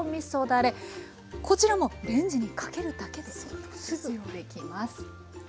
こちらもレンジにかけるだけですぐに出来ます。